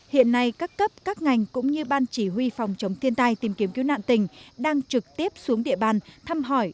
hiện nay các cấp các ngành cũng như ban chỉ huy phòng chống thiên tai tìm kiếm cứu nạn tỉnh đang trực tiếp xuống địa bàn thăm hỏi